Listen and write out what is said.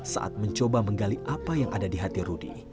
saat mencoba menggali apa yang ada di hati rudy